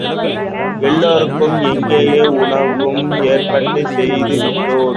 எல்லோருக்கும் அங்கேயே உணவும் ஏற்பாடு செய்துவிட்டேன்.